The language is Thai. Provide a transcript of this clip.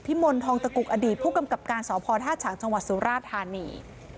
รถเอกพิมลทองตะกุกอดีตผู้กำกับการสภธาชังจังหวัดสุราธารณี